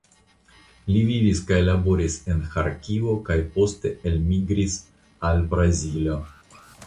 Li vivis kaj laboris en Ĥarkivo kaj poste elmigris al Brazilo.